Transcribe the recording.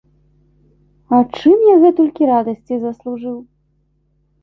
А чым я гэтулькі радасці заслужыў?